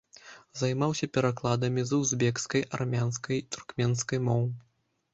Займаўся перакладамі з узбекскай, армянскай, туркменскай моў.